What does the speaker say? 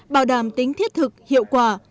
bảo đảm tính thiết thực hiệu quả